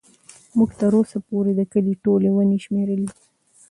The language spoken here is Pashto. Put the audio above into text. موږ تر اوسه پورې د کلي ټولې ونې شمېرلي دي.